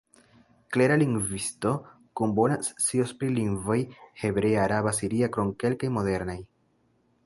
Klera lingvisto, kun bona scio pri lingvoj hebrea, araba, siria krom kelkaj modernaj.